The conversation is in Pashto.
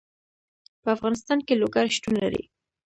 په افغانستان کې لوگر شتون لري.